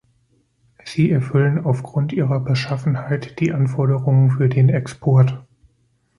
Sie erfüllen auf Grund Ihrer Beschaffenheit die Anforderungen für den Export.